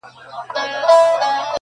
دې بد عمل سره زه ستاسو مخې ته راشم